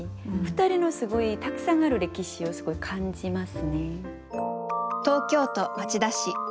２人のすごいたくさんある歴史をすごい感じますね。